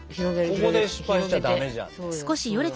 ここで失敗しちゃダメじゃんね。